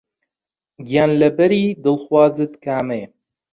گیانلەبەری دڵخوازت کامەیە؟